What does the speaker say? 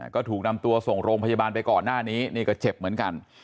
ก็ถูกนำตัวส่งโรงพยาบาลไปก่อนหน้านี้นี่ก็เจ็บเหมือนกัน